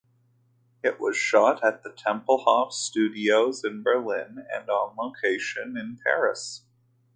It was shot at the Tempelhof Studios in Berlin and on location in Paris.